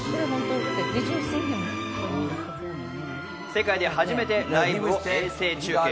世界で初めてライブを衛星中継。